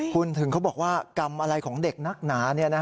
คุณถึงเขาบอกว่ากรรมอะไรของเด็กนักหนา